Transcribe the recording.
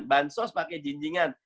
bansos pakai jinjingan